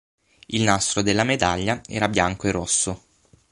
Il nastro della medaglia era bianco e rosso.